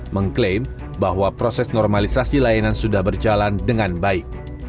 mengklaim bahwa proses normalisasi layanan sudah berjalan dengan baik